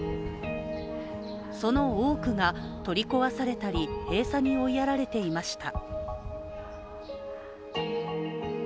その多くが取り壊されたり閉鎖に追いやられていました。